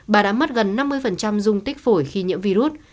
bà đã mất gần năm mươi dung tích phổi khi nhiễm virus